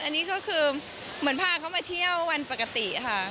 อันนี้ก็คือเหมือนพาเขามาเที่ยววันปกติค่ะ